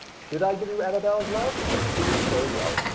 Did I give you Annabella's love? She's so well.